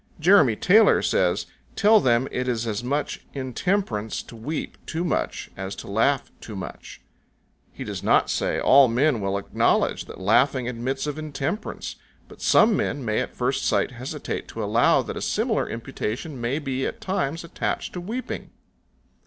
Jeremy Taylor says, "Tell them it is as much intemperance to weep too much as to laugh too much"; he does not say, "All men will acknowledge that laughing admits of intemperance, but some men may at first sight hesitate to allow that a similar imputation may be at times attached to weeping."